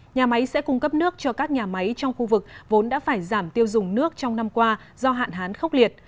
nhà máy sẽ cung cấp nước cho các nhà máy trong khu vực vốn đã phải giảm tiêu dùng nước trong năm qua do hạn hán khốc liệt